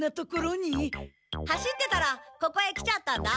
走ってたらここへ来ちゃったんだ。